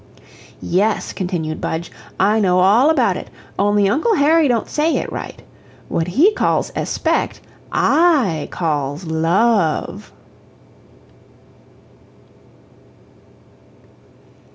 "Yes," continued Budge, "I know all about it. Only Uncle Harry don't say it right. What he calls espect I calls LOVE."